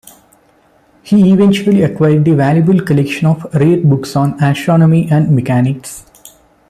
He eventually acquired a valuable collection of rare books on astronomy and mechanics.